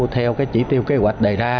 theo chỉ tiêu kế hoạch đề ra